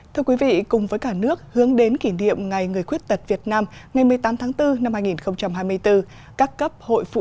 thưa quý vị cùng với cả nước hướng đến kỷ niệm ngày người khuyết tật việt nam ngày một mươi tám tháng bốn năm hai nghìn hai mươi bốn